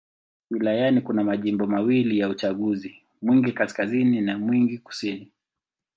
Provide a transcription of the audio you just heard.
Wilayani kuna majimbo mawili ya uchaguzi: Mwingi Kaskazini na Mwingi Kusini.